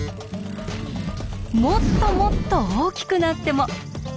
もっともっと大きくなっても。